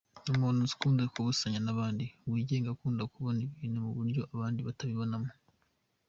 Ni umuntu ukunze kubusanya n’abandi, wigenga, akunda kubona ibintu mu buryo abandi batabibonamo.